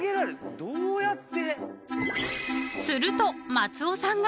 どうやって？